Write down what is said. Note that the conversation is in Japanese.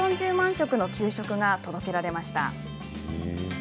食の給食が届けられました。